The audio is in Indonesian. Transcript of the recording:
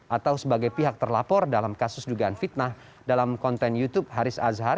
atau sebagai pihak terlapor dalam kasus dugaan fitnah dalam konten youtube haris azhar